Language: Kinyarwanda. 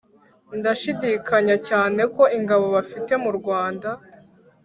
ndashidikanya cyane ko ingabo bafite [mu rwanda]